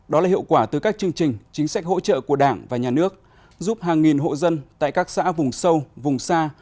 đó là hiệu quả từ các chương trình chính sách hỗ trợ của đảng và nhà nước giúp hàng nghìn hộ dân tại các xã vùng sâu vùng xa